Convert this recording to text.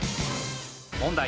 「問題。